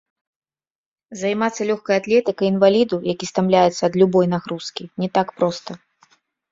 Займацца лёгкай атлетыкай інваліду, які стамляецца ад любой нагрузкі, не так проста.